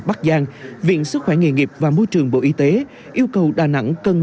bắc giang viện sức khỏe nghề nghiệp và môi trường bộ y tế yêu cầu đà nẵng cần